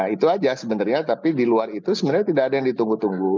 itu aja sebenarnya tapi di luar itu sebenarnya tidak ada yang ditunggu tunggu